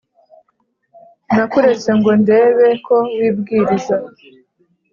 Nakuretse ngo ndebe ko wibwiriza